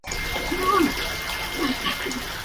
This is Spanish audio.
Fue gobernador de Germania Superior.